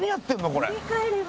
これ。